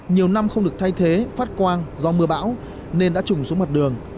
nhiều năm không được thay thế phát quang do mưa bão nên đã trùm xuống mặt đường